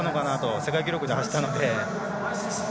世界記録で走ったので。